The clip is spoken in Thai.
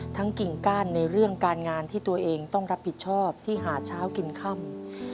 กิ่งก้านในเรื่องการงานที่ตัวเองต้องรับผิดชอบที่หาเช้ากินค่ำ